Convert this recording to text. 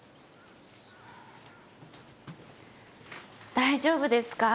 大丈夫ですか？